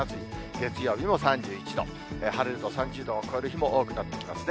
月曜日も３１度、晴れると３０度を超える日も多くなってきますね。